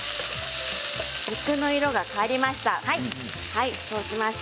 肉の色が変わりました。